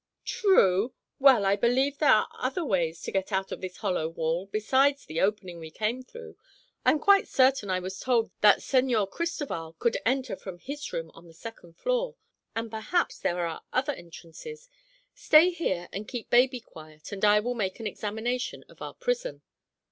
"True. Well, I believe there are other ways to get out of this hollow wall, besides the opening we came through. I am quite certain I was told that Señor Cristoval could enter from his room, on the second floor; and perhaps there are other entrances. Stay here and keep baby quiet and I will make an examination of our prison."